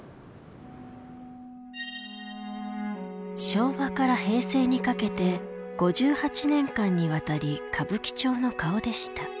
昭和から平成にかけて５８年間にわたり歌舞伎町の顔でした。